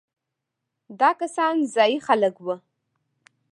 دا کسان ځايي خلک وو.